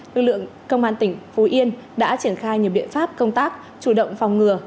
lực lượng công an tỉnh phú yên đã triển khai nhiều biện pháp công tác chủ động phòng ngừa